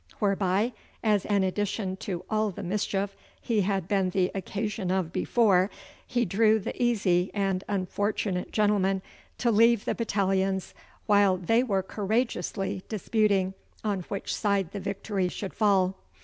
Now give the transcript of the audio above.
Wherebye, as an addition to all the mischief he had been the occasion of before, he drew the easy and unfortunate gentleman to leave the battalions while they were courageously disputing on which side the victory should fall.